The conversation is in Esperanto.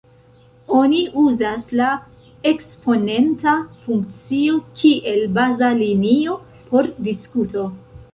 Oni uzas la eksponenta funkcio kiel 'baza linio' por diskuto.